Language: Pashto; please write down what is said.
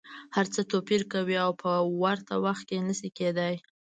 هر څه توپیر کوي او په ورته وخت کي نه شي کیدای.